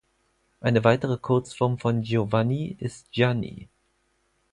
Eine weitere Kurzform von Giovanni ist Gianni.